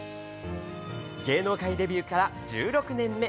芸能界デビューから１６年目。